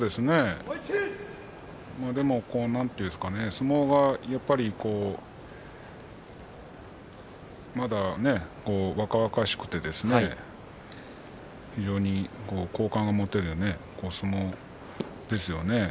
相撲がやっぱりまだね若々しくて非常に好感が持てる相撲ですよね。